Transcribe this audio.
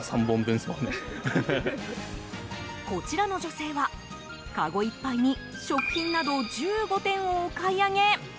こちらの女性はかごいっぱいに食品など１５点をお買い上げ。